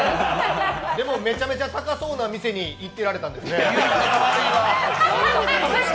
でも、めちゃめちゃ高そうな店に行ってらしたんですね。